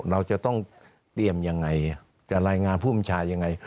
เราจะต้องเตรียมยังไงจะรายงานผู้บัญชายังไง